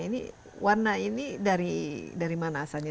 ini warna ini dari mana asalnya